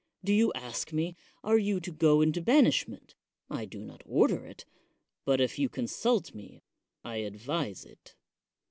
Do you ask me, Are you to go into banishment? I do not order it; but, if you consult me, I advise it.